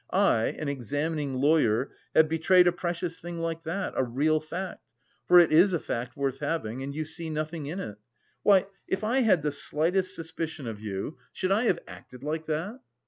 I, an examining lawyer, have betrayed a precious thing like that, a real fact (for it is a fact worth having), and you see nothing in it! Why, if I had the slightest suspicion of you, should I have acted like that?